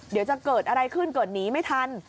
เดี๋ยวจะเกิดอะไรขึ้นเกิดหนีไม่ทัน